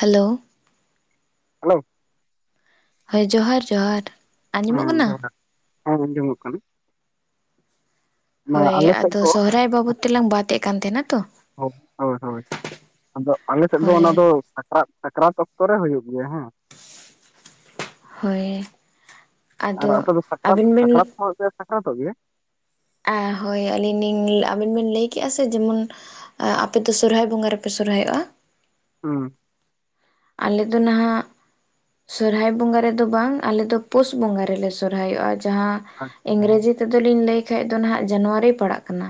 Hello. Hello. ᱦᱳᱭ ᱡᱚᱦᱟᱨ ᱡᱚᱦᱟᱨ ᱾ ᱦᱮᱸ ᱡᱚᱦᱟᱨ ᱦᱮᱸ ᱟᱡᱚᱢ ᱠᱟᱱᱟ ᱾ ᱦᱳᱭ ᱟᱫᱚ ᱫᱚ ᱥᱚᱦᱨᱟᱭ ᱵᱟᱵᱚᱫ ᱛᱮᱞᱟᱝ ᱵᱟᱫ ᱮᱫ ᱠᱟᱱ ᱛᱟᱦᱮᱱᱟ ᱛᱚ ᱾ [unintelligible] ᱦᱳᱭ ᱦᱳᱭ ᱟᱫᱚ ᱟᱞᱮ ᱥᱮᱫ ᱫᱚ ᱦᱳᱭ ᱚᱱᱟ ᱫᱚ [unintelligible] ᱥᱟᱠ ᱥᱟᱠᱨᱟᱛ ᱚᱠᱛᱚ ᱨᱮ ᱦᱩᱭᱩᱜ ᱜᱮᱭᱟ ᱦᱮᱸ᱾ ᱦᱳᱭ, ᱟᱨ ᱟᱫᱚ ᱟᱯᱮ ᱫᱚ ᱥᱟᱠᱨᱟᱛ ᱟᱵᱤᱱ ᱵᱤᱱ ᱥᱟᱠᱨᱟᱛ ᱥᱚᱢᱚᱭ ᱯᱮ ᱥᱟᱠᱨᱟᱛᱚᱜ ᱜᱮᱭᱟ? ᱟ ᱦᱳᱭ ᱟᱹᱞᱤᱧ ᱞᱤᱧ ᱟᱵᱤᱱ ᱵᱤᱱ ᱞᱟᱹᱭ ᱠᱮᱜᱼᱟ ᱥᱮ ᱡᱮᱢᱚᱱ ᱟᱯᱮ ᱫᱚ ᱥᱚᱨᱦᱟᱭ ᱵᱚᱸᱜᱟ ᱨᱮᱯᱮ ᱥᱚᱨᱚᱦᱟᱭᱚᱜᱼᱟ, ᱦᱩᱸ, ᱟᱞᱮ ᱫᱚ ᱱᱟᱦᱟᱜ ᱥᱚᱨᱦᱟᱭ ᱵᱚᱸᱜᱟ ᱨᱮᱫᱚ ᱵᱟᱝ ᱟᱞᱮ ᱫᱚ ᱯᱩᱥ ᱵᱚᱸᱜᱟ ᱨᱮᱞᱮ ᱥᱚᱨᱦᱟᱭᱚᱜᱼᱟ᱾ ᱡᱟᱦᱟᱸ ᱟᱪᱪᱷᱟ ᱤᱝᱨᱮᱡᱤ ᱛᱮᱫᱚ ᱞᱤᱧ ᱞᱟᱹᱭ ᱠᱷᱟᱡ ᱫᱚ ᱦᱟᱸᱜ ᱡᱟᱱᱩᱣᱟᱨᱤ ᱯᱟᱲᱟᱜ ᱠᱟᱱᱟ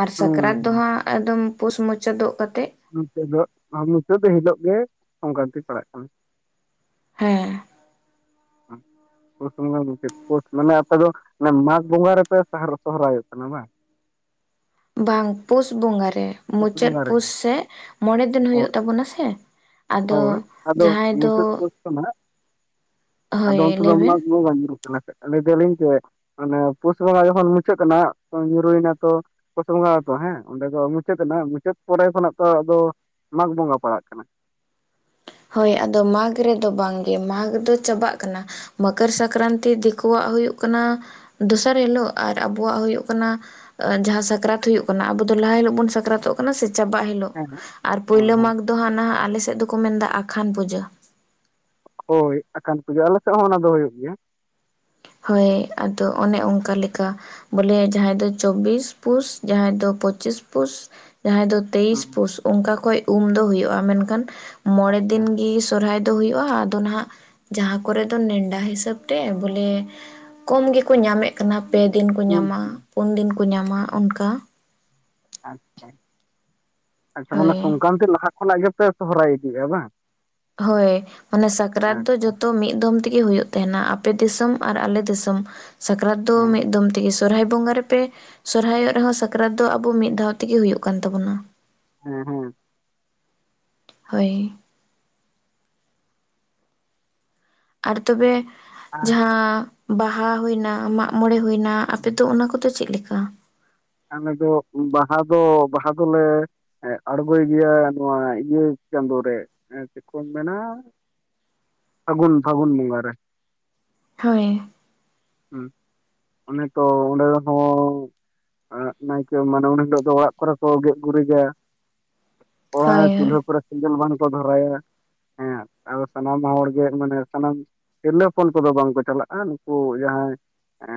ᱟᱨ ᱦᱩᱸ ᱥᱟᱠᱨᱟᱛ ᱫᱚ ᱦᱩᱸ ᱦᱟᱸᱜ ᱟᱫᱚᱢ ᱯᱩᱥ ᱢᱩᱪᱟᱹᱫᱚᱜ ᱠᱟᱛᱮᱜ, ᱱᱚᱛᱮ ᱫᱚ ᱟᱨ ᱱᱚᱱ ᱛᱮ ᱫᱚ ᱦᱤᱞᱳᱜ ᱜᱮ ᱥᱚᱝᱠᱟᱱᱛᱤ ᱯᱟᱲᱟᱜ ᱠᱟᱱᱟ᱾ ᱦᱮᱸ, [unintelligible] ᱯᱩᱥ ᱵᱚᱸᱜᱟ ᱢᱩᱪᱟᱹᱫ ᱯᱩᱥ ᱢᱟᱱᱮ ᱟᱯᱮ ᱫᱚ ᱚᱱᱟ ᱢᱟᱜᱽ ᱵᱚᱸᱜᱟ ᱨᱮᱯᱮ ᱥᱟᱨ ᱥᱚᱦᱨᱟᱭ-ᱚᱜ ᱠᱟᱱᱟ ᱵᱟᱝ? ᱵᱟᱝ ᱯᱩᱥ ᱵᱚᱸᱜᱟ ᱨᱮ, ᱯᱩᱥ ᱢᱩᱪᱟᱹᱫ ᱵᱚᱸᱜᱟ ᱨᱮ ᱯᱩᱥ ᱥᱮ ᱢᱚᱬᱮ ᱫᱤᱱ ᱦᱩᱭᱩᱜ ᱦᱳᱭ ᱛᱟᱵᱚᱱᱟ ᱥᱮ᱾ ᱟᱫᱚ ᱡᱟᱦᱟᱸᱭ ᱫᱚ ᱵᱟᱝ-ᱟ, ᱟᱫᱚ ᱦᱳᱭ ᱚᱱᱛᱮ ᱫᱚ ᱞᱟᱹᱭ ᱚᱱᱟ ᱵᱤᱱ ᱵᱚᱝ-ᱟ ᱧᱩᱨᱩᱜ ᱠᱟᱱᱟ ᱥᱮ ᱞᱟᱹᱭ ᱫᱟᱹᱞᱤᱧ ᱡᱮ ᱚᱱᱮ ᱯᱩᱥ ᱵᱚᱸᱜᱟ ᱡᱚᱠᱷᱚᱱ ᱢᱩᱪᱟᱹᱫ ᱮᱱᱟ, ᱧᱩᱨᱩᱭᱮᱱᱟ ᱛᱚ ᱯᱩᱥ ᱵᱚᱸᱜᱟ ᱜᱮᱛᱚ ᱦᱮᱸ ᱚᱸᱰᱮ ᱫᱚ ᱢᱩᱪᱟᱹᱫ ᱮᱱᱟ ᱢᱩᱪᱟᱹᱫ ᱯᱚᱨᱮ ᱠᱷᱚᱱᱟᱜ ᱛᱚ ᱟᱫᱚ ᱢᱟᱜᱽ ᱵᱚᱸᱜᱟ ᱯᱟᱲᱟᱜ ᱠᱟᱱᱟ᱾ ᱦᱳᱭ ᱟᱫᱚ ᱢᱟᱜᱽ ᱨᱮᱫᱚ ᱵᱟᱝᱜᱮ, ᱢᱟᱜᱽ ᱫᱚ ᱪᱟᱵᱟᱜ ᱠᱟᱱᱟ᱾ ᱢᱚᱠᱚᱨ ᱥᱟᱠᱨᱟᱱᱛᱤ ᱫᱤᱠᱩᱣᱟᱜ ᱦᱩᱭᱩᱜ ᱠᱟᱱᱟ ᱫᱚᱥᱟᱨ ᱦᱤᱞᱳᱜ ᱟᱨ ᱟᱵᱚᱣᱟᱜ ᱦᱩᱭᱩᱜ ᱠᱟᱱᱟ ᱡᱟᱦᱟᱸ ᱥᱟᱠᱨᱟᱛ ᱦᱩᱭᱩᱜ ᱠᱟᱱᱟ ᱟᱵᱚ ᱫᱚ ᱞᱟᱦᱟ ᱦᱤᱞᱳᱜ ᱵᱚᱱ ᱥᱟᱠᱨᱟᱛᱚᱜ ᱠᱟᱱᱟ ᱥᱮ ᱪᱟᱵᱟ ᱦᱤᱞ ᱦᱤᱞᱳᱜ ᱦᱮᱸ ᱟᱨ ᱦᱮᱸ ᱯᱳᱭᱞᱳ ᱦᱮᱸ ᱢᱟᱜᱽ ᱫᱚ ᱦᱟᱸᱜ ᱱᱟᱦᱟᱜ ᱟᱞᱮ ᱥᱮᱫ ᱫᱚᱠᱚ ᱢᱮᱱ ᱫᱟ ᱟᱠᱷᱟᱱ ᱯᱩᱡᱟᱹ᱾ ᱦᱳᱭ ᱟᱠᱷᱟᱱ ᱯᱩᱡᱟᱹ ᱟᱞᱮ ᱥᱮᱫ ᱦᱚᱸ ᱚᱱᱟ ᱫᱚ ᱦᱩᱭᱩᱜ ᱜᱮᱭᱟ᱾ ᱦᱳᱭ ᱟᱫᱚ ᱚᱱᱮ ᱚᱝᱠᱟ ᱞᱮᱠᱟ, ᱵᱚᱞᱮ ᱡᱟᱦᱟᱸᱭ ᱫᱚ ᱪᱚᱵᱵᱤᱥ ᱯᱩᱥ ᱡᱟᱦᱟᱸᱭ ᱫᱚ ᱯᱚᱸᱪᱤᱥ ᱯᱩᱥ ᱡᱟᱦᱟᱸᱭ ᱫᱚ ᱛᱮᱭᱤᱥ ᱦᱩᱸ ᱯᱩᱥ ᱚᱱᱠᱟ ᱠᱷᱚᱡᱽ ᱩᱢ ᱫᱚ ᱦᱩᱭᱩᱜᱼᱟ᱾ ᱢᱮᱱᱠᱷᱟᱱ ᱢᱚᱬᱮ ᱫᱤᱱ ᱜᱮ ᱥᱚᱨᱦᱟᱭ ᱫᱚ ᱦᱩᱭᱩᱜᱼᱟ, ᱟᱫᱚ ᱱᱟᱦᱟᱜ ᱡᱟᱦᱟᱸ ᱠᱚᱨᱮ ᱫᱚ ᱱᱮᱰᱟ ᱦᱤᱥᱟᱹᱵ ᱛᱮ ᱵᱚᱞᱮ ᱠᱚᱢ ᱜᱮᱠᱚ ᱧᱟᱢᱮᱜ ᱠᱟᱱᱟ ᱯᱮ ᱫᱤᱱ ᱠᱚ ᱦᱩᱸ ᱧᱟᱢᱟ ᱦᱩᱸ ᱯᱩᱱ ᱫᱤᱱ ᱠᱚ ᱧᱟᱢᱟ ᱚᱱᱠᱟ᱾ ᱟᱪᱪᱷᱟ, ᱮᱱᱠᱷᱟᱱ ᱢᱟᱱᱮ ᱦᱳᱭ ᱥᱚᱝᱠᱟᱱᱛᱤ ᱞᱟᱦᱟ ᱠᱷᱚᱱᱟᱜ ᱜᱮᱯᱮ ᱥᱚᱦᱚᱨᱟᱭ ᱤᱫᱤᱜᱼᱟ ᱵᱟᱝ, ᱦᱳᱭ ᱢᱟᱱᱮ ᱟᱪᱪᱷᱟ ᱥᱟᱠᱨᱟᱛ ᱫᱚ ᱡᱚᱛᱚ ᱢᱤᱫ ᱫᱚᱢ ᱛᱮᱜᱮ ᱦᱩᱭᱩᱜ ᱛᱟᱦᱮᱱᱟ᱾ ᱟᱯᱮ ᱫᱤᱥᱚᱢ ᱟᱨ ᱟᱞᱮ ᱫᱤᱥᱚᱢ ᱥᱟᱠᱨᱟᱛ ᱫᱚ ᱢᱤᱫ ᱫᱚᱢ ᱛᱮᱜᱮ ᱥᱚᱨᱦᱟᱭ ᱵᱚᱸᱜᱟ ᱨᱮᱯᱮ ᱥᱚᱨᱦᱟᱭ ᱚᱜ ᱨᱮᱦᱚᱸ ᱥᱟᱠᱨᱟᱛ ᱫᱚ ᱟᱵᱚ ᱢᱤᱫ ᱫᱷᱟᱣ ᱛᱮᱜᱮ ᱦᱩᱭᱩᱜ ᱠᱟᱱ ᱛᱟᱵᱚᱱᱟ᱾ ᱦᱮᱸ ᱦᱮᱸ, ᱦᱳᱭ, ᱟᱨ ᱛᱚᱵᱮ ᱟᱨ ᱡᱟᱦᱟᱸ ᱵᱟᱦᱟ ᱦᱩᱭᱱᱟ, ᱢᱟᱜᱽ ᱢᱚᱬᱮ ᱦᱩᱭᱱᱟ, ᱟᱯᱮ ᱫᱚ ᱚᱱᱟ ᱠᱚᱫᱚ ᱪᱮᱫ ᱞᱮᱠᱟ? ᱟᱞᱮ ᱫᱚ ᱵᱟᱦᱟ ᱫᱚ ᱵᱟᱦᱟ ᱫᱚᱞᱮ ᱦᱮᱸ ᱟᱬᱜᱚᱭ ᱜᱮᱭᱟ ᱱᱚᱣᱟ ᱤᱭᱟᱹ ᱪᱟᱸᱫᱳ ᱨᱮ ᱪᱮᱫ ᱠᱚᱢ ᱢᱮᱱᱟ ᱯᱷᱟᱹᱜᱩᱱ ᱯᱷᱟᱹᱜᱩᱱ ᱵᱚᱸᱜᱟ ᱨᱮ ᱦᱳᱭ ᱾ ᱦᱮᱸ ᱚᱱᱮ ᱛᱚ ᱚᱸᱰᱮ ᱦᱚᱸ ᱟᱸᱜ ᱱᱟᱭᱠᱮ ᱢᱟᱱᱮ ᱩᱱ ᱦᱤᱞᱳᱜ ᱫᱚ ᱚᱲᱟᱜ ᱠᱚᱨᱮ ᱠᱚ ᱜᱮᱡ ᱜᱩᱨᱤᱡᱟ, ᱠᱚᱲᱟ ᱦᱳᱭ ᱦᱳᱭ ᱪᱩᱞᱦᱟᱹ ᱠᱚᱨᱮ ᱥᱮᱸᱜᱮᱞ ᱵᱟᱝ ᱠᱚ ᱫᱷᱚᱨᱟᱭᱟ, ᱦᱮᱸ ᱟᱫᱚ ᱥᱟᱱᱟᱢ ᱦᱚᱲ ᱜᱮ ᱢᱟᱱᱮ ᱥᱟᱱᱟᱢ ᱛᱤᱨᱞᱟᱹ ᱦᱚᱯᱚᱱ ᱠᱚᱫᱚ ᱵᱟᱝᱠᱚ ᱪᱟᱞᱟᱜᱼᱟ᱾ ᱱᱩᱠᱩ ᱡᱟᱦᱟᱸᱭ ᱮ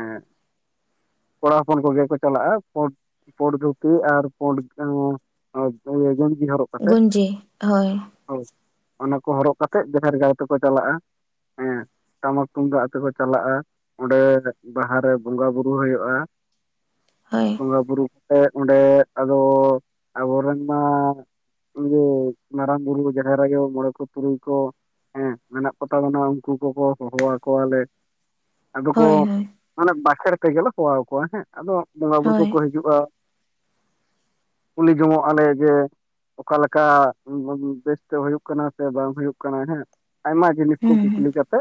ᱠᱚᱲᱟ ᱦᱚᱯᱚᱱ ᱠᱚᱜᱮ ᱠᱚ ᱪᱟᱞᱟᱜᱼᱟ ᱯᱳᱲ ᱯᱳᱲ ᱫᱷᱩᱛᱤ ᱟᱨ ᱯᱳᱲ ᱮᱸ ᱜᱮᱧᱡᱤ ᱦᱚᱨᱚᱜ ᱠᱟᱛᱮᱜ ᱜᱚᱸᱧᱡᱮ ᱦᱳᱭ ᱦᱳᱭ ᱚᱱᱟ ᱠᱚ ᱦᱚᱨᱚᱜ ᱠᱟᱛᱮᱫ ᱡᱟᱦᱮᱨ ᱜᱟᱲ ᱛᱮᱠᱚ ᱪᱟᱞᱟᱜᱼᱟ ᱦᱮᱸ᱾ ᱴᱟᱢᱟᱠ ᱛᱩᱢᱫᱟᱜ ᱟᱛᱮ ᱠᱚ ᱪᱟᱞᱟᱜᱼᱟ ᱚᱸᱰᱮ ᱵᱟᱦᱟᱨᱮ ᱵᱚᱸᱜᱟ ᱵᱩᱨᱩ ᱦᱩᱭᱩᱜᱼᱟ ᱾ ᱦᱳᱭ ᱾ ᱵᱚᱸᱜᱟ ᱵᱩᱨᱩ ᱠᱟᱛᱮ ᱚᱸᱰᱮ ᱟᱫᱚ ᱟᱵᱚ ᱨᱮᱱ ᱢᱟ ᱤᱭᱮ ᱢᱟᱨᱟᱝ ᱵᱩᱨᱩ ᱡᱟᱦᱮᱨ ᱟᱭᱳ ᱢᱚᱲᱮ ᱠᱚ ᱛᱩᱨᱩᱭ ᱠᱚ ᱦᱮᱸ ᱢᱮᱱᱟᱜ ᱠᱚᱛᱟ ᱵᱚᱱᱟ ᱩᱱᱠᱩ ᱠᱚ ᱠᱚ ᱦᱚᱦᱚ ᱟᱠᱚᱣᱟ ᱞᱮ ᱾ ᱟᱫᱚ ᱠᱚ ᱦᱳᱭ ᱦᱳᱭ ᱢᱟᱱᱮ ᱵᱟᱠᱷᱮᱲ ᱛᱮ ᱜᱮ ᱞᱮ ᱦᱚᱦᱚ ᱟᱠᱚᱣᱟ ᱦᱮᱸ ᱟᱫᱚ ᱵᱚᱸᱜᱟ ᱵᱩᱨᱩ ᱠᱚ ᱦᱳᱭ ᱠᱚ ᱦᱤᱡᱩᱜᱼᱟ ᱠᱩᱞᱤ ᱡᱚᱝᱚᱜ ᱟᱞᱮ ᱡᱮ ᱚᱠᱟ ᱞᱮᱠᱟ ᱵᱮᱥ ᱛᱮ ᱦᱩᱭᱩᱜ ᱠᱟᱱᱟ ᱥᱮ ᱵᱟᱝ ᱦᱩᱭᱩᱜ ᱠᱟᱱᱟ ᱦᱮᱸ ᱟᱭᱢᱟ ᱾ ᱡᱤᱱᱤᱥ ᱠᱚ ᱦᱩᱸ ᱦᱩᱸ ᱠᱩᱠᱞᱤ ᱠᱟᱛᱮ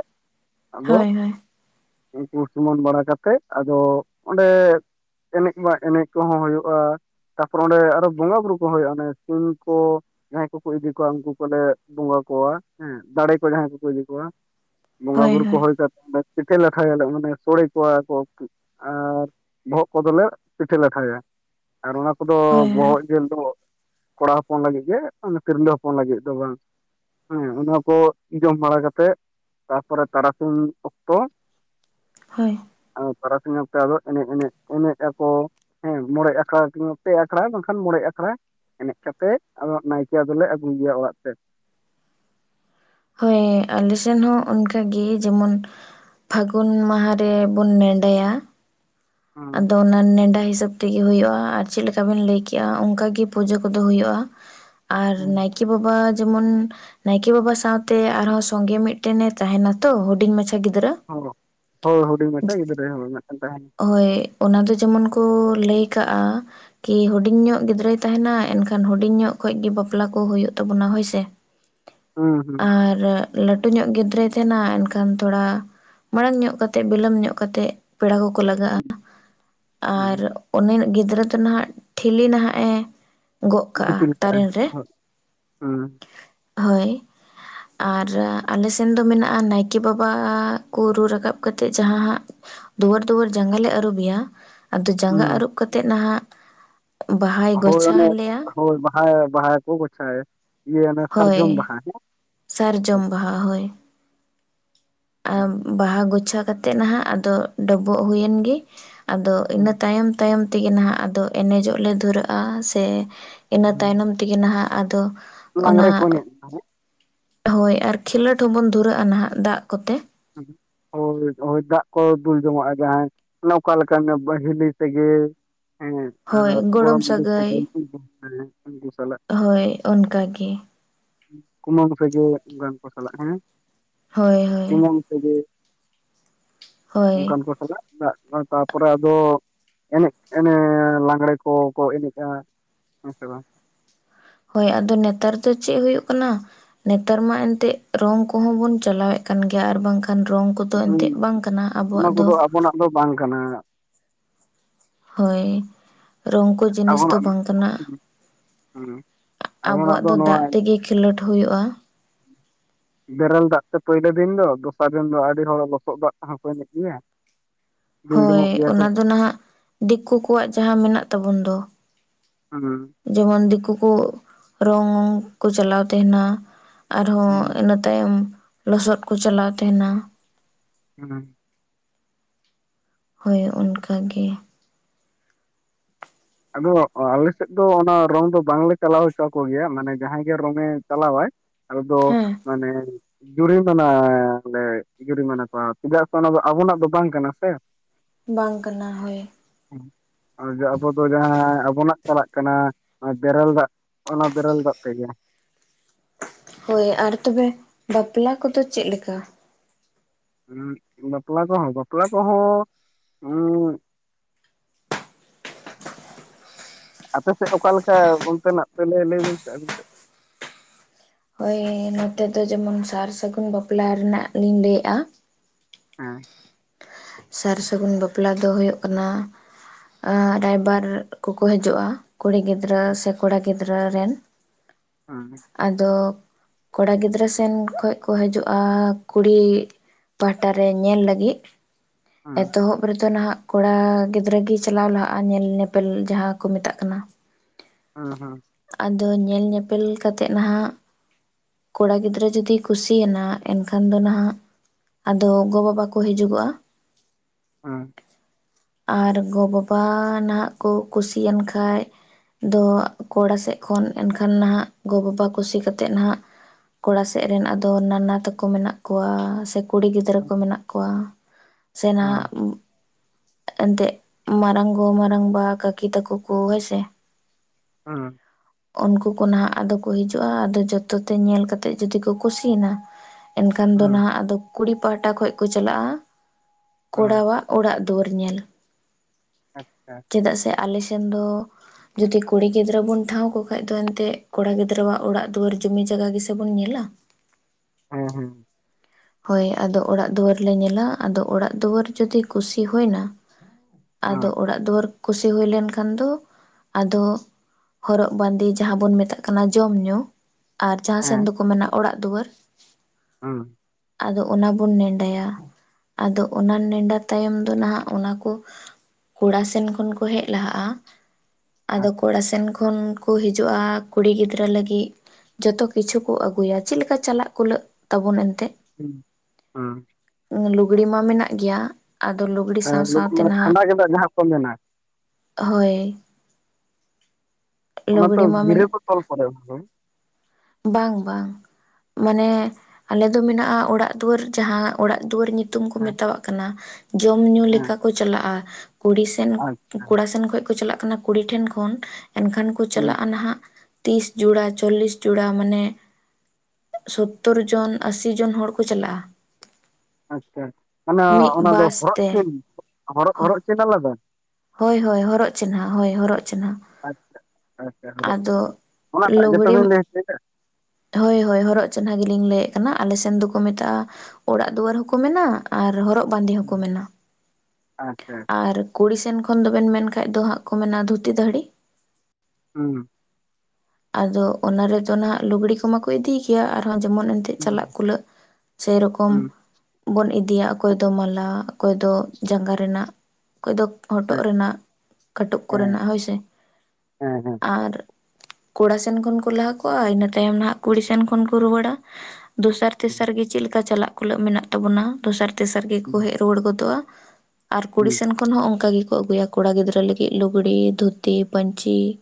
ᱟᱫᱚ ᱦᱳᱭ ᱦᱳᱭ ᱩᱱᱠᱩ ᱥᱩᱢᱟᱱ ᱵᱟᱲᱟ ᱠᱟᱛᱮ ᱟᱫᱚ ᱚᱸᱰᱮ - ᱮᱱᱮᱡ ᱢᱟ ᱮᱱᱮᱡ ᱠᱚ ᱦᱚᱸ ᱦᱩᱭᱩᱜᱼᱟ ᱛᱟᱯᱚᱨ ᱚᱸᱰᱮ ᱟᱨ ᱦᱚᱸ ᱵᱚᱸᱜᱟᱼ ᱵᱩᱨᱩ ᱠᱚ ᱦᱩᱭᱩᱜᱼᱟ ᱚᱱᱮ ᱥᱤᱢ ᱠᱚ ᱡᱟᱦᱟᱸᱭ ᱠᱚᱠᱚ ᱤᱫᱤ ᱠᱚᱣᱟ ᱩᱱᱠᱩ ᱠᱚᱞᱮ ᱵᱚᱸᱜᱟ ᱠᱚᱣᱟ ᱦᱮᱸ ᱫᱟᱲᱮ ᱠᱚ ᱡᱟᱦᱟᱸᱭ ᱠᱚᱠᱚ ᱤᱫᱤ ᱠᱚᱣᱟ ᱾ ᱵᱚᱸᱜᱟ ᱦᱳᱭ ᱵᱩᱨᱩ ᱠᱚ ᱦᱳᱭ ᱦᱩᱭ ᱠᱟᱛᱮ ᱯᱤᱴᱷᱟᱹ ᱞᱟᱴᱷᱟᱭᱟ ᱞᱮ ᱚᱱᱮ ᱥᱳᱲᱮ ᱠᱚᱣᱟ ᱠᱚ ᱟᱨ ᱵᱚᱦᱚᱜ ᱠᱚᱫᱚ ᱞᱮ ᱯᱤᱴᱷᱟᱹ ᱞᱟᱴᱷᱟᱭᱟ ᱟᱨ ᱚᱱᱟ ᱠᱚᱫᱚ ᱦᱳᱭ ᱦᱳᱭ ᱵᱚᱦᱚᱜ ᱡᱤᱞ ᱫᱚ ᱠᱚᱲᱟ ᱦᱚᱯᱚᱱ ᱞᱟᱹᱜᱤᱫ ᱜᱮ ᱛᱤᱨᱞᱟᱹ ᱦᱚᱯᱚᱱ ᱞᱟᱹᱜᱤᱫ ᱫᱚ ᱵᱟᱝ ᱾ ᱦᱮᱸ ᱚᱱᱟ ᱠᱚ ᱡᱚᱢ ᱵᱟᱲᱟ ᱠᱟᱛᱮ ᱛᱟᱨᱯᱚᱨ ᱛᱟᱨᱟ ᱛᱩᱝ ᱚᱠᱛᱚ ᱦᱳᱭ ᱾ ᱛᱟᱨᱥᱤᱧ ᱚᱠᱛᱮ ᱟᱫᱚ ᱮᱱᱮᱡ ᱮᱱᱮᱡ ᱮᱱᱮᱡ ᱟᱠᱚ ᱦᱮᱸ ᱢᱚᱬᱮ ᱟᱠᱷᱲᱟ ᱯᱮ ᱟᱠᱷᱲᱟ ᱵᱟᱝᱠᱷᱟᱱ ᱢᱚᱬᱮ ᱟᱠᱷᱲᱟ ᱾ ᱮᱱᱮᱡ ᱠᱟᱛᱮ ᱟᱫᱚ ᱱᱟᱭᱠᱮ ᱫᱚ ᱞᱮ ᱟᱹᱜᱩᱭ ᱜᱮᱭᱟ ᱚᱲᱟᱜ ᱛᱮ ᱾ ᱦᱳᱭ ᱾ ᱟᱞᱮ ᱥᱮᱱ ᱦᱚᱸ ᱚᱱᱠᱟ ᱜᱮ ᱡᱮᱢᱚᱱ ᱯᱷᱟᱹᱜᱩᱱ ᱢᱟᱦᱟ ᱨᱮ ᱵᱚᱱ ᱱᱮᱰᱟᱭᱟ ᱾ ᱦᱩᱸ ᱦᱤᱥᱟᱹᱵ ᱛᱮᱜᱮ ᱦᱩᱭᱩᱜᱼᱟ ᱟᱨ ᱪᱮᱫ ᱞᱮᱠᱟ ᱵᱮᱱ ᱞᱟᱹᱭ ᱠᱮᱼᱟ ᱚᱱᱠᱟ ᱜᱮ ᱯᱩᱡᱟᱹ ᱠᱚ ᱫᱚ ᱦᱩᱭᱩᱜᱼᱟ ᱟᱨ ᱦᱩᱸ ᱱᱟᱭᱠᱮ ᱠᱤ ᱵᱟᱵᱟ ᱡᱮᱢᱚᱱ ᱱᱟᱭᱠᱮ ᱵᱟᱵᱟ ᱥᱟᱶᱛᱮ ᱟᱨ ᱦᱚᱸ ᱥᱚᱸᱜᱮ ᱢᱤᱫᱴᱮᱱ ᱛᱟᱦᱮᱱᱟ ᱛᱚ ᱦᱩᱰᱤᱧ ᱢᱟᱪᱷᱟ ᱜᱤᱫᱽᱨᱟᱹ ᱦᱳ ᱦᱳᱭ ᱦᱩᱰᱤᱧ ᱢᱟᱪᱷᱟ ᱜᱤᱫᱽᱨᱟᱹ ᱦᱚᱲ ᱮ ᱛᱟᱦᱮᱱ ᱾ ᱦᱳᱭ ᱚᱱᱟ ᱫᱚ ᱡᱮᱢᱚᱱ ᱠᱚ ᱞᱟᱹᱭ ᱠᱟᱜᱼᱟ ᱠᱤ ᱦᱩᱰᱤᱧ ᱧᱚᱜ ᱜᱤᱫᱽᱨᱟᱹᱭ ᱛᱟᱦᱮᱱᱟ ᱮᱱᱠᱷᱟᱱ ᱦᱩᱰᱤᱧ ᱧᱚᱜ ᱠᱷᱚᱱ ᱜᱮ ᱵᱟᱯᱞᱟ ᱠᱚ ᱦᱩᱭᱩᱜ ᱛᱟᱵᱚᱱᱟ ᱦᱳᱭ ᱥᱮ ᱾ [inaudible] ᱦᱩᱸ ᱟᱨ ᱞᱟᱹᱴᱩ ᱧᱚᱜ ᱜᱤᱫᱽᱨᱟᱹᱭ ᱛᱟᱦᱮᱱᱟ ᱮᱱᱠᱷᱟᱱ ᱛᱷᱚᱲᱟ ᱢᱟᱲᱟᱝ ᱧᱚᱜ ᱠᱟᱛᱮ ᱵᱤᱞᱚᱢ ᱧᱚᱜ ᱠᱟᱛᱮ ᱯᱮᱲᱟ ᱠᱚ ᱠᱚ ᱞᱟᱜ ᱾ ᱦᱩᱸ ᱟᱨ ᱦᱩᱸ ᱩᱱᱤ ᱜᱤᱫᱽᱨᱟᱹ ᱫᱚ ᱱᱟᱦᱜ ᱴᱷᱤᱞᱤ ᱱᱟᱦᱜ ᱮ ᱜᱚᱜ ᱠᱟᱜᱼᱟ ᱫᱤᱯᱤᱞ ᱠᱟᱜᱼᱟᱭ ᱛᱟᱨᱮᱱ ᱨᱮ ᱾ ᱦᱳᱭ ᱦᱩᱸ ᱾ ᱦᱳᱭ ᱾ ᱟᱨ ᱟᱞᱮ ᱥᱮᱱ ᱫᱚ ᱢᱮᱱᱟᱜᱼᱟ ᱱᱟᱭᱠᱮ ᱵᱟᱵᱟ ᱠᱚ ᱨᱩ ᱨᱟᱠᱟᱵ ᱠᱟᱛᱮ ᱡᱟᱦᱟᱸ ᱦᱟᱸ ᱫᱩᱣᱟᱹᱨ ᱫᱩᱣᱟᱹᱨ ᱡᱟᱸᱜᱟ ᱞᱮ ᱟᱹᱨᱩᱵᱮᱭᱟ ᱾ ᱟᱫᱚ ᱡᱟᱸᱜᱟ ᱦᱩᱸ ᱟᱹᱨᱩᱵ ᱠᱟᱛᱮ ᱱᱟᱦᱜ ᱵᱟᱦᱟᱭ ᱜᱚᱪᱷᱟ ᱟᱞᱮᱭᱟ ᱦᱚᱭ ᱵᱟᱦᱟᱭ ᱵᱟᱦᱟ ᱠᱚ ᱜᱚᱪᱷᱟᱭ ᱭᱮᱹ ᱦᱳᱭ ᱥᱟᱨᱡᱚᱢ ᱵᱟᱦᱟ ᱠᱚ ᱥᱟᱨᱡᱚᱢ ᱵᱟᱦᱟ ᱦᱳᱭ ᱦᱩᱸ ᱵᱟᱦᱟ ᱜᱚᱪᱷᱟ ᱠᱟᱛᱮᱜ ᱱᱟᱦᱟᱜ ᱟᱫᱚ ᱰᱚᱹᱵᱚᱹᱜ ᱦᱩᱭᱮᱱ ᱜᱮ ᱟᱫᱚ ᱦᱩᱸ ᱤᱱᱟᱹ ᱛᱟᱭᱚᱢ ᱛᱟᱭᱚᱢ ᱛᱮ ᱜᱮ ᱱᱟᱦᱜ ᱟᱫᱚ ᱮᱱᱮᱡᱚᱜ ᱞᱮ ᱫᱷᱩᱨᱟᱹᱜᱼᱟ ᱥᱮ ᱤᱱᱟᱹ ᱛᱟᱭᱱᱚᱢ ᱛᱮ ᱜᱮ ᱱᱟᱦᱜ ᱟᱫᱚ ᱚᱱᱟ ᱞᱟᱝᱲᱮ ᱠᱚ ᱮᱱᱮᱡ ᱛᱟᱦᱮᱸ ᱾ ᱦᱳᱭ ᱟᱨ ᱠᱷᱮᱞᱳᱰ ᱦᱚᱸᱵᱚᱱ ᱫᱷᱩᱨᱟᱹᱜᱼᱟ ᱱᱟᱦᱟᱜ ᱫᱟᱜ ᱠᱚᱛᱮ ᱾ ᱦᱳᱭ ᱦᱳᱭ ᱫᱟᱜ ᱠᱚ ᱫᱩᱞ ᱡᱚᱝᱚᱜᱼᱟ ᱡᱟᱦᱟᱸᱭ ᱱᱚᱝᱠᱟ ᱞᱮᱠᱟᱱ [unintelligible] ᱦᱤᱞᱤ ᱛᱮ ᱜᱮ ᱦᱮᱸ ᱟᱨ ᱦᱳᱭ ᱜᱚᱲᱚᱢ ᱵᱩᱰᱤ ᱥᱟᱹᱜᱟᱹᱭ ᱛᱮᱠᱚ ᱞᱮ ᱩᱱᱠᱩ ᱦᱮᱸ ᱩᱱᱠᱩ ᱥᱟᱞᱟᱜ ᱾ ᱦᱳᱭ ᱚᱱᱠᱟᱜᱮ ᱠᱩᱢᱟᱹᱝ ᱥᱮᱜᱮᱭ ᱜᱟᱱ ᱠᱚ ᱥᱟᱞᱟᱜ ᱦᱮᱸ ᱦᱳᱭ ᱦᱳᱭ ᱾ ᱛᱮᱧᱟᱝ ᱥᱟᱹᱜᱟᱹᱭ ᱦᱳᱭ ᱚᱱᱠᱟᱱ ᱠᱚ ᱥᱟᱞᱟᱜ ᱛᱟᱨᱯᱚᱨᱮ ᱟᱫᱚ [unintelligible] ᱮᱱᱮᱡ ᱮᱱᱮ ᱞᱟᱜᱽᱬᱮ ᱠᱚᱠᱚ ᱮᱱᱮᱡᱼᱟ᱾ ᱦᱪ ᱥᱮ ᱵᱟᱝ [unintelligible] ᱦᱳᱭ ᱟᱫᱚ ᱱᱮᱛᱟᱨ ᱫᱚ ᱪᱮᱫ ᱦᱩᱭᱩᱜ ᱠᱟᱱᱟᱹ ᱱᱮᱛᱟᱨ ᱢᱟ ᱮᱱᱛᱮ ᱨᱚᱝ ᱠᱚᱦᱚᱸ ᱵᱚᱱ ᱪᱟᱞᱟᱣᱮᱜ ᱠᱟᱱ ᱜᱮᱭᱟ ᱟᱨ ᱵᱟᱝᱠᱷᱟᱱ ᱨᱚᱝ ᱠᱚᱫᱚ ᱦᱩᱸ ᱮᱱᱛᱮᱫ ᱵᱟᱝ ᱠᱟᱱᱟ ᱟᱵᱚᱣᱟᱜ ᱚᱱᱟ ᱫᱚ ᱠᱚᱫᱚ ᱟᱵᱚᱱᱟᱜ ᱫᱚ ᱵᱟᱝ ᱠᱟᱱᱟ ᱦᱳᱭ ᱨᱚᱝ ᱡᱤᱱᱤᱥ ᱫᱚ ᱟᱵᱚᱱᱟᱜ ᱵᱟᱝ ᱠᱟᱱᱟ ᱦᱩᱸ ᱦᱩᱸ [unintelligible] ᱟᱵᱚᱱᱟᱜ ᱟᱵᱚᱣᱟᱜ ᱫᱚ ᱱᱚᱣᱟ ᱫᱟᱜ ᱛᱮᱜᱮ ᱠᱷᱮᱞᱳᱰ ᱦᱩᱭᱩᱜᱼᱟ᱾ ᱵᱮᱨᱮᱞ ᱫᱟᱜ ᱛᱮ ᱯᱳᱭᱞᱳ ᱫᱤᱱ ᱫᱚ ᱫᱚᱥᱟᱨ ᱫᱤᱱ ᱫᱚ ᱟᱹᱰᱤ ᱦᱚᱲ ᱞᱚᱥᱚᱫ ᱫᱟᱜ ᱛᱮᱦᱚᱸ ᱠᱚ ᱮᱱᱮᱡ ᱜᱮᱭᱟ ᱫᱩᱞ ᱦᱳᱭ ᱡᱚᱝᱚᱜ ᱜᱮᱭᱟ ᱠᱚ ᱚᱱᱟ ᱫᱚ ᱱᱟᱦᱟᱜ ᱫᱤᱠᱩ ᱠᱚᱣᱟᱜ ᱡᱟᱦᱟᱸ ᱢᱮᱱᱟᱜ ᱛᱟᱵᱚᱱ ᱫᱚ ᱦᱩᱸ ᱡᱮᱢᱚᱱ ᱫᱤᱠᱩ ᱨᱚᱝᱠᱚ ᱪᱟᱞᱟᱣ ᱛᱟᱦᱮᱱᱟ ᱟᱨᱦᱚᱸ ᱦᱩᱸ ᱤᱱᱟᱹ ᱛᱟᱭᱚᱢ ᱞᱚᱥᱚᱫ ᱠᱚ ᱪᱟᱞᱟᱣ ᱛᱟᱦᱮᱸᱱᱟ ᱦᱩᱸ ᱦᱳᱭ ᱚᱱᱠᱟᱜᱮ᱾ ᱟᱫᱚ ᱟᱞᱮ ᱥᱮᱫ ᱫᱚ ᱚᱱᱟ ᱨᱚᱝ ᱫᱚ ᱵᱟᱝᱞᱮ ᱪᱟᱞᱟᱣ ᱦᱚᱪᱚ ᱟᱠᱚᱜᱮᱭᱟ ᱢᱟᱱᱮ ᱡᱟᱦᱟᱸᱭ ᱜᱮ ᱨᱚᱝ ᱮ ᱪᱟᱞᱟᱣᱟᱭ ᱟᱵᱫᱚ ᱦᱮᱸ ᱢᱟᱱᱮ ᱡᱩᱲᱤᱢᱟᱱᱟ ᱟᱞᱮ ᱡᱩᱹᱨᱤ ᱢᱮ ᱠᱚᱣᱟ ᱪᱮᱫᱟᱜ ᱥᱮ ᱚᱱᱟ ᱫᱚ ᱟᱵᱚᱱᱟᱜ ᱫᱚ ᱵᱟᱝ ᱠᱟᱱᱟ ᱥᱮ? ᱵᱟᱝ ᱠᱟᱱᱟ ᱦᱳᱭ ᱟᱨ ᱟᱵᱚ ᱫᱚ ᱡᱟᱦᱟᱸ ᱟᱵᱚᱱᱟᱜ ᱪᱟᱞᱟᱜ ᱠᱟᱱᱟ ᱵᱮᱨᱮᱞ ᱫᱟᱜ ᱚᱱᱟ ᱵᱮᱨᱮᱞ ᱫᱟᱜ ᱛᱮᱜᱮ ᱦᱳᱭ ᱟᱨ ᱛᱚᱵᱮ ᱵᱟᱯᱞᱟ ᱠᱚᱫᱚ ᱪᱮᱫ ᱞᱮᱠᱟ? ᱩ ᱵᱟᱯᱞᱟ ᱠᱚᱦᱚᱸ ᱵᱟᱯᱞᱟ ᱠᱚᱦᱚ ᱩ ᱟᱯᱮ ᱥᱮᱫ ᱚᱠᱟ ᱞᱮᱠᱟ ᱚᱱᱛᱮᱱᱟᱜ ᱯᱮ ᱞᱟᱹᱭ ᱵᱤᱱ ᱥᱮ ᱟᱹᱵᱤᱱ ᱥᱮᱫ ᱦᱳᱭ ᱱᱚᱛᱮ ᱫᱚ ᱡᱮᱢᱚᱱ ᱥᱟᱨ ᱥᱟᱹᱜᱩᱱ ᱵᱟᱯᱞᱟ ᱨᱮᱱᱟᱜ ᱞᱤᱧ ᱞᱟᱹᱭᱮᱫ-ᱟ ᱦᱮᱸ ᱥᱟᱨ ᱥᱟᱹᱜᱩᱱ ᱵᱟᱯᱞᱟ ᱫᱚ ᱦᱩᱭᱩᱜ ᱠᱟᱱᱟ ᱟ ᱨᱟᱭᱵᱟᱨ ᱠᱚᱠᱚ ᱦᱤᱡᱩᱜ-ᱟ᱾ ᱠᱩᱲᱤ ᱜᱤᱫᱽᱨᱟᱹ ᱥᱮ ᱠᱚᱲᱟ ᱜᱤᱫᱽᱨᱟᱹ ᱨᱮᱱ? ᱦᱩᱸ ᱟᱫᱚ ᱠᱚᱲᱟ ᱜᱤᱫᱽᱨᱟᱹ ᱥᱮᱱ ᱠᱷᱚᱱ ᱠᱚ ᱦᱤᱡᱩᱜ-ᱟ ᱠᱩᱲᱤ ᱯᱟᱦᱟᱴᱟ ᱨᱮ ᱧᱮᱞ ᱞᱟᱹᱜᱤᱫ ᱦᱮᱸ ᱦᱮᱸ ᱮᱛᱚᱦᱚᱵ ᱨᱮᱫᱚ ᱱᱟᱦᱟᱜ ᱠᱚᱲᱟ ᱜᱤᱫᱽᱨᱟᱹ ᱜᱮ ᱪᱟᱞᱟᱣ ᱞᱟᱦᱟᱜ-ᱟ᱾ ᱧᱮᱞ ᱧᱮᱯᱮᱞ ᱡᱟᱦᱟᱸ ᱠᱚ ᱢᱮᱛᱟᱜ ᱠᱟᱱᱟᱹ ᱦᱩᱸ ᱦᱩᱸ ᱟᱫᱚ ᱧᱮᱞ ᱧᱮᱯᱮᱞ ᱠᱟᱛᱮᱜ ᱱᱟᱦᱟᱜ ᱠᱚᱲᱟ ᱜᱤᱫᱽᱨᱟᱹ ᱡᱩᱫᱤ ᱠᱩᱥᱤᱭᱮᱱᱟ ᱮᱱᱠᱷᱟᱱ ᱫᱚ ᱱᱟᱦᱟᱜ ᱟᱫᱚ ᱜᱚ ᱵᱟᱵᱟ ᱠᱚ ᱦᱤᱡᱩᱜᱚ-ᱟ᱾ ᱦᱩᱸ ᱟᱨ ᱜᱚ ᱵᱟᱵᱟ ᱱᱟᱦᱟᱜ ᱠᱚ ᱠᱩᱥᱤᱭᱮᱱ ᱠᱷᱟᱭ ᱫᱚ ᱠᱚᱲᱟ ᱥᱮᱫ ᱠᱷᱚᱱ ᱮᱱᱠᱷᱟᱱ ᱱᱟᱦᱟᱜ ᱜᱚ-ᱵᱟᱵᱟ ᱠᱩᱥᱤ ᱠᱟᱛᱮᱫ ᱱᱟᱦᱟᱜ ᱠᱚᱲᱟ ᱥᱮᱜ ᱨᱮᱱ ᱟᱫᱚ ᱱᱟᱱᱟ ᱛᱟᱠᱚ ᱢᱮᱱᱟᱜ ᱠᱚᱣᱟ ᱥᱮ ᱠᱩᱲᱤ ᱜᱤᱫᱽᱨᱟᱹ ᱠᱚ ᱢᱮᱱᱟᱜ ᱠᱚᱣᱟ ᱥᱮ ᱱᱟᱦᱟᱜ ᱦᱮᱸ ᱮᱱᱛᱮ ᱢᱟᱨᱟᱝ ᱜᱳ ᱢᱟᱨᱟᱝ ᱵᱟ ᱠᱟᱠᱤ ᱛᱟᱠᱩ ᱠᱚ ᱦᱚᱭ ᱥᱮ ᱦᱩᱸ ᱩᱱᱠᱩ ᱠᱚ ᱱᱟᱦᱟᱜ ᱟᱫᱚ ᱠᱚ ᱦᱤᱡᱩᱜ-ᱟ᱾ ᱟᱫᱚ ᱡᱚᱛᱚ ᱛᱮ ᱧᱮᱞ ᱠᱟᱛᱮᱫ ᱡᱩᱫᱤ ᱠᱚ ᱠᱩᱥᱤᱮᱱᱟ ᱮᱱᱠᱷᱟᱱ ᱫᱚ ᱦᱮᱸ ᱱᱟᱦᱟᱜ ᱟᱫᱚ ᱠᱩᱲᱤ ᱯᱟᱦᱴᱟ ᱠᱷᱚᱱ ᱠᱚ ᱪᱟᱞᱟᱜᱼᱟ ᱦᱮᱸ ᱠᱚᱲᱟᱣᱟᱜ ᱚᱲᱟᱜ ᱫᱩᱨᱟᱹᱣ ᱧᱮᱞ ᱟᱪᱪᱷᱟ ᱪᱮᱫᱟᱜ ᱥᱮ ᱟᱞᱮ ᱥᱮᱱ ᱫᱚ ᱡᱩᱫᱤ ᱠᱩᱲᱤ ᱜᱤᱫᱽᱨᱟᱹ ᱵᱚᱱ ᱴᱷᱟᱶ ᱠᱚ, ᱠᱷᱟᱡ ᱫᱚ ᱮᱱᱛᱮ ᱠᱚᱲᱟ ᱜᱤᱫᱽᱨᱟᱹᱣᱟᱜ, ᱚᱲᱟᱜ ᱫᱩᱣᱟᱹᱨ ᱡᱩᱢᱤ ᱡᱟᱭᱜᱟ ᱜᱮᱥᱮ ᱵᱚᱱ ᱧᱮᱞᱟ ᱾ ᱦᱩᱸ- ᱦᱩᱸ ᱾ ᱦᱳᱭ ᱟᱫᱚ ᱚᱲᱟᱜ ᱫᱩᱣᱟᱹᱨ ᱞᱮ ᱧᱮᱞᱟ᱾ ᱟᱫᱚ ᱚᱲᱟᱜ ᱫᱩᱣᱟᱹᱨ ᱡᱩᱫᱤ ᱠᱩᱥᱤ ᱦᱩᱭᱱᱟ ᱟᱫᱚ ᱦᱮᱸ ᱚᱲᱟᱜ ᱫᱩᱣᱟᱹᱨ ᱠᱩᱥᱤ ᱦᱩᱭ ᱞᱮᱱᱠᱷᱟᱱ ᱫᱚ ᱟᱫᱚ ᱦᱚᱨᱚᱜ ᱵᱟᱸᱫᱮ ᱡᱟᱦᱟᱸ ᱵᱚᱱ ᱢᱮᱛᱟᱜ ᱠᱟᱱᱟ ᱡᱚᱢ ᱧᱩ ᱾ ᱟᱨ ᱡᱟᱸᱦᱟᱸ ᱥᱮᱱ ᱦᱮᱸ ᱫᱚᱠᱚ ᱢᱮᱱᱟ ᱚᱲᱟᱜ ᱫᱩᱣᱟᱹᱨ ᱾ ᱦᱩᱸ ᱟᱫᱚ ᱚᱱᱟ ᱵᱚᱱ ᱱᱮᱰᱟᱭᱟ ᱾ ᱟᱫᱚ ᱚᱱᱟ ᱱᱮᱰᱟ ᱛᱟᱭᱚᱢ ᱫᱚ ᱱᱟᱦᱟᱜ ᱚᱱᱟ ᱠᱚ ᱠᱚᱲᱟ ᱥᱮᱱ ᱠᱷᱚᱱ ᱠᱚ ᱦᱮᱡ ᱞᱟᱦᱟᱜᱼᱟ, ᱟᱫᱚ ᱟᱪᱪᱷᱟ ᱠᱚᱲᱟ ᱥᱮᱱ ᱠᱷᱚᱱ ᱠᱚ ᱦᱤᱡᱩᱜᱼᱟ ᱠᱩᱲᱤ ᱜᱤᱫᱽᱨᱟᱹ ᱞᱟᱹᱜᱤᱜ ᱡᱚᱛᱚ ᱠᱤᱪᱷᱩ ᱠᱚ, ᱟᱹᱜᱩᱭᱟ ᱪᱮᱫ ᱞᱮᱠᱟ ᱪᱟᱞᱟᱜ ᱠᱩᱞᱟᱹᱜ ᱛᱟᱵᱩᱱ ᱮᱱᱛᱮ ᱦᱩᱸ ᱦᱩᱸ ᱞᱩᱜᱽᱲᱤ ᱢᱟ ᱢᱮᱱᱟᱜ ᱜᱮᱭᱟ ᱾ ᱟᱫᱚ ᱞᱩᱜᱽᱲᱤ ᱦᱮᱸ ᱞᱩ- ᱥᱟᱶᱥᱟᱶᱛᱮ ᱢᱟᱱᱮ ᱱᱟᱦᱟᱜ ᱠᱷᱟᱸᱰᱟ ᱜᱮᱸᱫᱟᱜ ᱡᱟᱦᱟᱸ ᱠᱚ ᱢᱮᱱᱟ ᱦᱳᱭ ᱚᱱᱟ ᱛᱚ ᱞᱩᱜᱽᱲᱤ ᱢᱟ ᱜᱤᱨᱟᱹ ᱢᱮᱱᱟᱜ ᱠᱚ ᱛᱚᱞ ᱯᱚᱨᱮ ᱚᱠᱛᱚ ᱾ ᱵᱟᱝ ᱵᱟᱝ ᱢᱟᱱᱮ ᱟᱞᱮ ᱫᱚ ᱢᱮᱱᱟᱜᱼᱟ ᱾ ᱚᱲᱟᱜ ᱫᱩᱣᱟᱹᱨ ᱡᱟᱸᱦᱟᱸ ᱚᱲᱟᱜ ᱫᱩᱣᱟᱹᱨ ᱧᱩᱛᱩᱢ ᱠᱚ ᱦᱮᱸ ᱢᱮᱛᱟᱣᱟᱜ ᱠᱟᱱᱟ, ᱡᱚᱢ ᱧᱩ ᱦᱮᱸ ᱞᱮᱠᱟ ᱠᱚ ᱪᱟᱞᱟᱜᱼᱟ ᱾ ᱠᱩᱲᱤ ᱥᱮᱱ, ᱟᱪᱪᱷᱟ ᱠᱚᱲᱟ ᱥᱮᱱ ᱠᱷᱚᱱ ᱠᱚ ᱪᱟᱞᱟᱜ ᱠᱟᱱᱟ ᱠᱩᱲᱤ ᱴᱷᱮᱱ ᱠᱷᱚᱱ ᱮᱱᱠᱷᱟᱱ ᱠᱚ ᱦᱩᱸ ᱪᱟᱞᱟᱜᱼᱟ᱾ ᱱᱟᱦᱟᱜ ᱛᱤᱨᱤᱥ ᱡᱳᱲᱟ, ᱪᱚᱞᱞᱤᱥ ᱡᱳᱲᱟ ᱢᱟᱱᱮ ᱥᱚᱛᱚᱨ ᱡᱚᱱ ᱟᱥᱤ ᱡᱚᱱ ᱦᱚᱲ ᱠᱚ ᱪᱟᱞᱟᱜᱼᱟ᱾ ᱟᱪᱪᱷᱟ ᱚᱱᱟ ᱢᱤᱫ ᱚᱱᱟ ᱫᱚ ᱵᱟᱥ ᱦᱚᱨᱚᱜ ᱛᱮ ᱪᱤᱱ, ᱦᱚᱨᱚᱜ ᱦᱚᱨᱚᱜ ᱪᱤᱱ ᱟᱞᱟᱫᱟ? ᱦᱳᱭ- ᱦᱳᱭ ᱦᱚᱨᱚᱜ ᱪᱤᱱᱦᱟ. ᱦᱳᱭ ᱦᱚᱨᱚᱜ ᱪᱤᱱᱦᱟ. ᱾ ᱟᱪᱪᱷᱟ ᱟᱪᱪᱷᱟ ᱦᱚᱨᱚᱜ ᱪᱤᱱᱦᱟᱹ ᱚᱱᱟ ᱴᱟᱜ ᱜᱮᱛᱚ ᱞᱩᱜᱽᱲᱤ ᱵᱤᱱ ᱞᱟᱹᱭ ᱦᱚᱪᱚᱭᱫᱟ? ᱦᱳᱭ ᱦᱳᱭ ᱦᱚᱨᱚᱜ ᱪᱤᱱᱦᱟᱹ ᱜᱮᱞᱤᱧ ᱞᱟᱹᱭᱮᱜ ᱾ ᱠᱟᱱᱟ ᱟᱞᱮ ᱥᱮᱱ ᱫᱚᱠᱚ ᱢᱮᱛᱟᱜᱼᱟ, ᱚᱲᱟᱜ ᱫᱩᱣᱟᱹᱨ ᱦᱚᱸᱠᱚ ᱢᱮᱱᱟ ᱾ ᱟᱨ ᱦᱚᱨᱚᱜ ᱵᱟᱸᱫᱮ ᱦᱚᱸᱠᱚ ᱦᱩᱸ, ᱢᱮᱱᱟ ᱟᱪᱪᱷᱟ ᱾ ᱟᱨ ᱠᱩᱲᱤ ᱥᱮᱱ ᱠᱷᱚᱱ ᱫᱚᱵᱮᱱ ᱢᱮᱱ ᱠᱷᱟᱡ, ᱫᱚ ᱦᱟᱸᱜ ᱠᱚ ᱢᱮᱱᱟ ᱫᱷᱩᱛᱤ ᱫᱟᱲᱹᱦᱲᱤ ᱾ ᱦᱩᱸ ᱟᱫᱚ ᱚᱱᱟ ᱨᱮᱫᱚ ᱱᱟᱦᱟᱜ ᱞᱩᱜᱽᱲᱤ ᱠᱚᱢᱟ ᱠᱚ ᱤᱫᱤᱭ ᱜᱮᱭᱟ ᱾ ᱟᱨᱦᱚᱸ ᱡᱮᱢᱚᱱ ᱮᱱᱛᱮ ᱪᱟᱞᱟᱜ ᱦᱩᱸ ᱠᱩᱞᱟᱹᱜ ᱥᱮᱨᱚᱠᱚᱢ ᱦᱩᱸ ᱵᱚᱱ ᱤᱫᱤᱭᱟ ᱾ ᱚᱠᱚᱭ ᱫᱚ ᱢᱟᱞᱟ, ᱚᱠᱚᱭ ᱫᱚ ᱡᱟᱸᱜᱟ ᱨᱮᱱᱟᱜ, ᱚᱠᱚᱭ ᱫᱚ ᱦᱚᱴᱚᱜ ᱦᱮᱸ ᱨᱮᱱᱟᱜ, ᱠᱟᱹᱴᱩᱵ ᱦᱮᱸ ᱠᱚᱨᱮᱱᱟᱜ ᱦᱳᱭᱥᱮ ᱦᱮᱸ ᱦᱮᱸ ᱟᱨ ᱠᱚᱲᱟ ᱥᱮᱱ ᱠᱷᱚᱱ ᱠᱚ ᱞᱟᱦᱟ ᱠᱚᱣᱟ, ᱤᱱᱟᱹ ᱛᱟᱭᱚᱢ ᱱᱟᱦᱟᱸᱜ ᱠᱩᱲᱤ ᱥᱮᱱ ᱠᱷᱚᱱ ᱠᱚ ᱨᱩᱣᱟᱹᱲᱟ ᱾ ᱫᱚᱥᱟᱨ ᱦᱩᱸ ᱛᱮᱥᱟᱨ ᱜᱮ ᱪᱮᱫ ᱞᱮᱠᱟ ᱪᱟᱞᱟᱜ, ᱠᱩᱩᱞᱟᱹᱜ ᱢᱮᱱᱟᱜ ᱛᱟᱵᱚᱱᱟ ᱾ ᱫᱚᱥᱟᱨ ᱛᱮᱥᱟᱨ ᱜᱮᱠᱚ ᱦᱮᱡ ᱨᱩᱣᱟᱹᱲ ᱜᱚᱫᱚᱜᱼᱟ, ᱟᱨ ᱠᱩᱲᱤ ᱦᱩᱸ ᱥᱮᱱ ᱛᱚᱠᱷᱚᱱ ᱦᱚᱸ ᱚᱱᱠᱟ ᱜᱮᱠᱚ ᱟᱹᱜᱩᱭᱟ, ᱠᱚᱲᱟ ᱜᱤᱫᱽᱨᱟᱹ ᱞᱟᱹᱜᱤᱫ ᱞᱩᱜᱽᱲᱤ ᱫᱷᱩᱛᱤ ᱯᱟᱹᱧᱪᱤ ᱾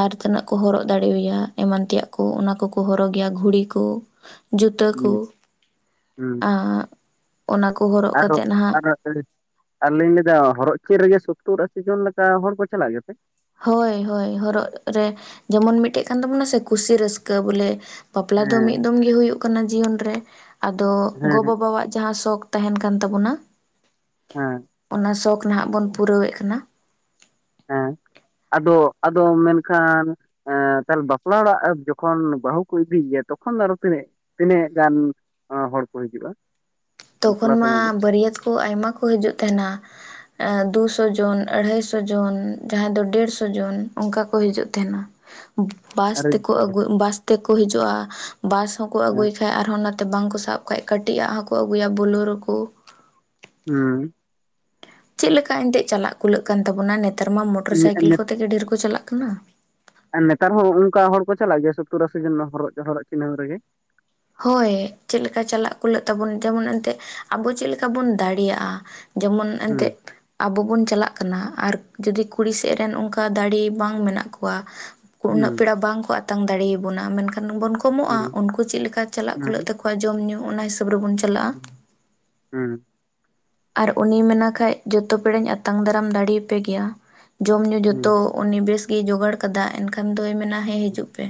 ᱟᱨ ᱛᱤᱱᱟᱹᱜ ᱠᱚ ᱦᱚᱨᱚᱜ ᱫᱟᱲᱮᱣᱟᱭᱟ, ᱮᱢᱟᱱ ᱛᱮᱭᱟᱜ ᱠᱚ ᱚᱱᱟ ᱠᱚᱠᱚ ᱦᱚᱨᱚᱜᱮᱭᱟ ᱾ ᱜᱷᱩᱲᱤ ᱠᱚ ᱡᱩᱛᱟᱹ ᱠᱚ, ᱦᱩᱸ ᱦᱩᱸ ᱟ ᱚᱱᱟ ᱠᱚ ᱦᱚᱨᱚᱜ ᱠᱟᱛᱮ ᱱᱟᱦᱟᱜ ᱫᱟᱜ ᱡᱟᱹᱲᱤ ᱟᱨᱞᱤᱧ ᱞᱟᱹᱭ ᱮᱟ ᱦᱚᱨᱚᱜ ᱪᱮᱫ ᱨᱮᱜᱮ ᱥᱳᱛᱨ ᱟᱥᱤ ᱡᱚᱱ ᱞᱮᱠᱟ, ᱦᱚᱲ ᱠᱚ ᱪᱟᱞᱟᱜ ᱜᱮᱯᱮ? ᱦᱳᱭ ᱦᱳᱭ, ᱦᱚᱨᱚᱜ ᱨᱮ ᱡᱮᱢᱚᱱ ᱢᱤᱫᱴᱮᱡ ᱠᱟᱱ ᱛᱟᱵᱚᱱᱟ ᱥᱮ ᱠᱩᱥᱤ ᱨᱟᱹᱥᱠᱟᱹ ᱵᱚᱞᱮ ᱵᱟᱯᱞᱟ ᱫᱚ ᱢᱤᱫ ᱦᱮᱸ ᱫᱚᱢ ᱜᱮ ᱦᱩᱭᱩᱜ ᱠᱟᱱᱟ ᱡᱤᱭᱚᱱ ᱨᱮ, ᱟᱫᱚ ᱜᱚ ᱦᱮᱸ ᱵᱟᱵᱟᱣᱟᱜ ᱡᱟᱸᱦᱟᱸ ᱥᱚᱠ ᱛᱟᱦᱮᱱ ᱠᱟᱱ ᱛᱟᱵᱚᱱᱟ᱾ ᱦᱮᱸ ᱚᱱᱟ ᱥᱚᱠᱷ ᱱᱟᱦᱟᱜ ᱵᱚᱱ ᱯᱩᱨᱟᱹᱣᱮᱜ ᱠᱟᱱᱟ ᱾ ᱦᱮᱸ ᱟᱫᱚ -ᱟᱫᱚ ᱢᱮᱱᱠᱷᱟᱱ ᱮᱸ ᱛᱟᱦᱚᱞᱮ ᱵᱟᱯᱞᱟ ᱚᱲᱟᱜ ᱡᱚᱠᱷᱚᱱ, ᱵᱟᱹᱦᱩ ᱠᱚ ᱤᱫᱤᱭᱟ ᱾ ᱛᱚᱠᱷᱚᱱ ᱫᱚ ᱟᱨᱚ ᱛᱤᱱᱟᱹᱜ? ᱛᱤᱱᱟᱹᱜ ᱜᱟᱱ ᱦᱚᱲ ᱠᱚ ᱦᱤᱡᱩᱜᱼᱟ? ᱵᱟᱯᱞᱟ ᱛᱚᱠᱷᱚᱱ ᱢᱟ ᱥᱚᱢᱚᱭ ᱫᱚ? ᱵᱟᱹᱨᱭᱟᱹᱛ ᱠᱚ, ᱟᱭᱢᱟ ᱠᱚ ᱦᱤᱡᱩᱜ ᱛᱟᱦᱮᱱᱟ ᱾ ᱮᱜ ᱫᱩᱥᱚ ᱡᱚᱱ, ᱟᱲᱟᱭᱥᱚ ᱡᱚᱱ, ᱡᱟᱸᱦᱟᱸᱭ ᱫᱚ ᱰᱮᱲᱥᱚ ᱡᱚᱱ ᱚᱱᱠᱟ ᱠᱚ ᱦᱤᱡᱩᱜ ᱛᱟᱦᱮᱱᱟ ᱾ ᱵᱟᱥ ᱟᱨᱮ ᱛᱮᱠᱚ ᱵᱟᱵᱟ ᱟᱹᱜᱩ ᱵᱟᱥ ᱛᱮᱠᱚ ᱦᱤᱡᱩᱜᱼᱟ᱾ ᱵᱟᱥ ᱦᱚᱸᱠᱚ ᱟᱹᱜᱩᱭ ᱠᱷᱟᱡ ᱟᱨᱦᱚᱸ ᱵᱟᱝᱠᱚ ᱥᱟᱵ ᱠᱷᱟᱡ ᱠᱟᱹᱴᱤᱡ ᱟᱜ ᱦᱚᱸᱠᱚ ᱟᱹᱜᱩᱭᱟ ᱵᱩᱞᱨᱳ ᱠᱳ ᱦᱩᱸ, ᱪᱮᱫ ᱞᱮᱠᱟ ᱮᱱᱛᱜ ᱪᱟᱞᱟᱜ ᱠᱩᱞᱟᱹᱜ ᱠᱟᱱ ᱛᱟᱵᱚᱱᱟ᱾ ᱱᱮᱛᱟᱨ ᱢᱟ ᱢᱚᱴᱚᱨ ᱱᱮ ᱥᱟᱭᱠᱮᱞ ᱠᱚᱛᱮ ᱜᱮ ᱰᱷᱮᱨ ᱠᱚ ᱪᱟᱞᱟᱜ ᱠᱟᱱᱟ᱾ ᱟᱨ ᱱᱮᱛᱟᱨ ᱦᱚᱸ ᱚᱱᱠᱟ ᱦᱚᱲ ᱠᱚ ᱪᱟᱞᱟᱜ ᱜᱮᱭᱟ᱾ ᱥᱚᱛᱛᱚᱨ, ᱟᱥᱤ ᱡᱚᱱ ᱦᱚᱨᱜᱽ ᱦᱚᱨᱚᱜ ᱪᱤᱱᱦᱟᱹ ᱨᱮᱜᱮ ᱦᱳᱭ ᱪᱮᱫ ᱞᱮᱠᱟ ᱪᱟᱞᱟᱜ ᱠᱩᱞᱟᱹᱜ ᱛᱟᱵᱚᱱ᱾ ᱡᱮᱢᱚᱱ ᱮᱱᱛᱜ ᱟᱵᱚ ᱪᱮᱫ ᱞᱮᱠᱟ ᱵᱚᱱ ᱫᱟᱲᱮᱭᱟᱜᱼᱟ? ᱡᱮᱢᱚᱱ ᱮᱱᱛᱮᱫ ᱦᱩᱸ ᱟᱵᱚ ᱵᱚᱱ ᱪᱟᱞᱟᱜ ᱠᱟᱱᱟ᱾ ᱟᱨ ᱡᱚᱫᱤ ᱠᱩᱲᱤ ᱥᱮᱜ ᱨᱮᱱ ᱚᱱᱠᱟ ᱫᱟᱲᱮ ᱵᱟᱝ ᱢᱮᱱᱟᱜ ᱠᱚᱣᱟ᱾ ᱩᱱᱟᱹᱜ ᱦᱩᱸ ᱯᱮᱲᱟ ᱵᱟᱝᱠᱚ ᱟᱛᱟᱝ ᱫᱟᱲᱮᱭᱟᱵᱚᱱᱟ ᱾ᱢᱮᱱᱠᱷᱟᱱ ᱵᱚᱱ ᱠᱚᱢᱚᱜᱼᱟ᱾ ᱦᱩᱸ ᱩᱱᱠᱩ ᱪᱮᱫ ᱞᱮᱠᱟ ᱪᱟᱞᱟᱜ ᱠᱷᱩᱞᱟᱹᱜ ᱦᱩᱸ ᱛᱟᱠᱚ᱾ ᱟᱠᱚᱣᱟᱜ ᱡᱚᱢ ᱧᱩ ᱚᱱᱟ ᱦᱤᱥᱟᱹᱵᱽ ᱨᱮᱵᱚᱱ ᱪᱟᱞᱟᱜᱼᱟ᱾ ᱦᱩᱸ ᱦᱩᱸ, ᱟᱨ ᱩᱱᱤᱭ ᱢᱮᱱᱟ ᱠᱷᱟᱱ᱾ ᱡᱚᱛᱚ ᱯᱮᱲᱟᱮᱧ ᱟᱛᱟᱝ ᱫᱟᱨᱟᱢ ᱫᱟᱲᱮᱭᱟᱯᱮ ᱜᱮᱭᱟ ᱾ᱡᱚᱢ ᱧᱩ ᱦᱩᱸ ᱡᱚᱛᱚ᱾ ᱩᱱᱤ ᱵᱮᱥ ᱜᱮᱭ ᱡᱚᱜᱟᱲ ᱠᱟᱫᱟ᱾ ᱮᱱᱠᱷᱟᱱ ᱫᱚᱭ ᱢᱮᱱᱟ ᱦᱮᱸ ᱦᱤᱡᱩᱜ ᱯᱮ᱾